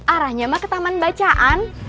arahnya mah ke taman bacaan